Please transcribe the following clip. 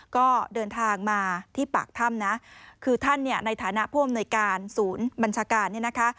ก็เดินทางมาที่ปากถ้ำนะคือท่านเนี่ยในฐานะผู้อำนวยการศูนย์บัญชาการเนี่ยนะคะ